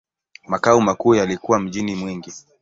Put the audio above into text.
Makao makuu yalikuwa mjini Mwingi.